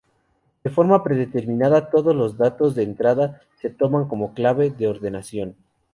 De forma predeterminada, todos los datos de entrada se toman como clave de ordenación.